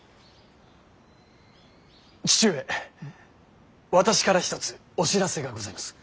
義父上私から一つお知らせがございます。